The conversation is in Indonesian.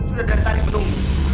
sudah dari tadi belum